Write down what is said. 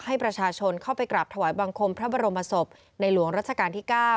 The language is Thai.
ให้ประชาชนเข้าไปกราบถวายบังคมพระบรมศพในหลวงรัชกาลที่๙